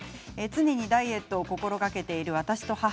常にダイエットを心がけている私と母。